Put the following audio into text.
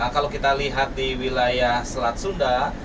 kalau kita lihat di wilayah selat sunda